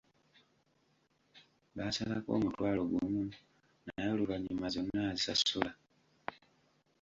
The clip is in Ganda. Baasalako omutwalo gumu, naye oluvannyuma zonna yazisasula.